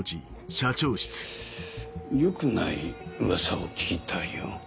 良くない噂を聞いたよ。